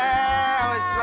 おいしそ！